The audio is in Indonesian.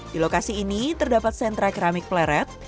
di lokasi ini terdapat sentra keramik pleret